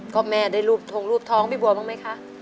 ก็แม่ได้ทรงท้องพี่บัวมากมั้ยคะ